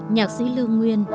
nhạc sĩ lương nguyên